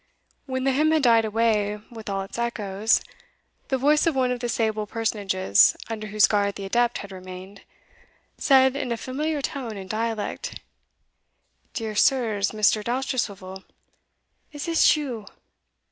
When the hymn had died away with all its echoes, the voice of one of the sable personages under whose guard the adept had remained, said, in a familiar tone and dialect, "Dear sirs, Mr. Dousterswivel, is this you?